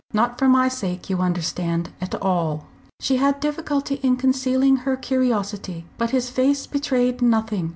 Not for my sake, you understand, at all." She had difficulty in concealing her curiosity. But his face betrayed nothing.